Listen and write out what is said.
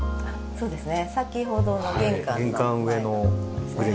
そうですね。